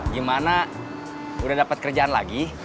gimana udah dapat kerjaan lagi